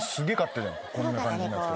こんな感じになって。